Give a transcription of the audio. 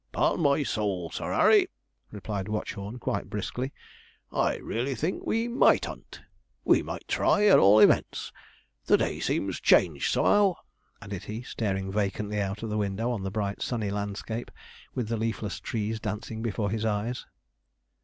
'Pon my soul! Sir 'Arry,' replied Watchorn, quite briskly, 'I really think we might 'unt we might try, at all events. The day seems changed, some'ow,' added he, staring vacantly out of the window on the bright sunny landscape, with the leafless trees dancing before his eyes.